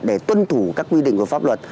để tuân thủ các quy định của pháp luật